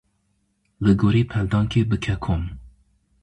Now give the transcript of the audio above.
Li gorî peldankê bike kom.